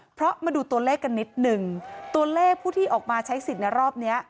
เพราะมาดูตัวเลขกันนิดหนึ่งตัวเลขผู้ที่ออกมาใช้สิทธิ์ในรอบเนี้ย